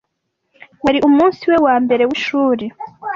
Wari umunsi we wa mbere w'ishuri.